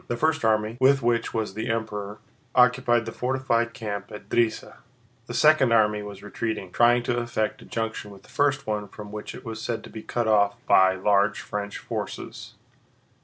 The first army, with which was the Emperor, occupied the fortified camp at Drissa; the second army was retreating, trying to effect a junction with the first one from which it was said to be cut off by large French forces.